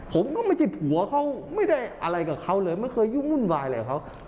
ผมก็ไม่ใช่ผัวเขาไม่ได้อะไรกับเขาเลยไม่เคยยุ่งวุ่นวายอะไรกับเขา